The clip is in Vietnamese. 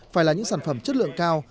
phải là những sản phẩm chất lượng cao